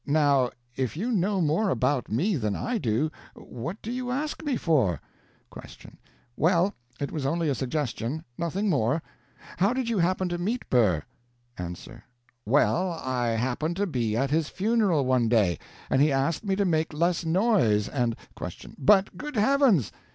Now, if you know more about me than I do, what do you ask me for? Q. Well, it was only a suggestion; nothing more. How did you happen to meet Burr? A. Well, I happened to be at his funeral one day, and he asked me to make less noise, and Q. But, good heavens!